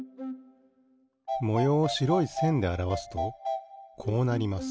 もようをしろいせんであらわすとこうなります。